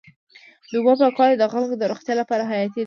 د اوبو پاکوالی د خلکو د روغتیا لپاره حیاتي دی.